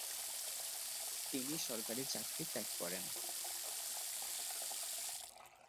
তিনি সরকারি চাকরি ত্যাগ করেন।